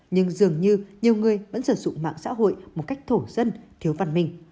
nhưng dường như nhiều người vẫn sử dụng mạng xã hội một cách thổ dân thiếu văn minh